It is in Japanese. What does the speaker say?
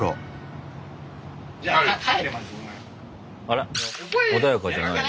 あらっ穏やかじゃないね。